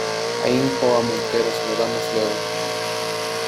Ainhoa Montero. se lo damos luego .